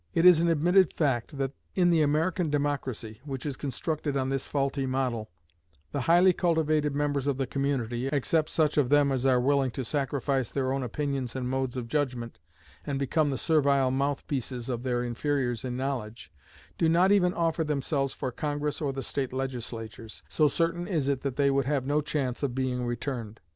It is an admitted fact that in the American democracy, which is constructed on this faulty model, the highly cultivated members of the community, except such of them as are willing to sacrifice their own opinions and modes of judgment, and become the servile mouthpieces of their inferiors in knowledge, do not even offer themselves for Congress or the State Legislatures, so certain is it that they would have no chance of being returned.